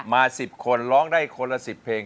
๑๐คนร้องได้คนละ๑๐เพลง